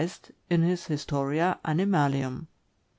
in his "Historia Animalium."